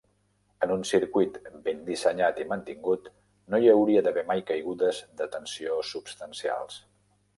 En un circuit ben dissenyat i mantingut, no hi hauria d'haver mai caigudes de tensió substancials.